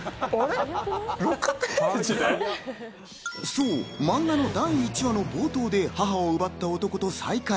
そう、マンガの第１話の冒頭で母を奪った男と再会。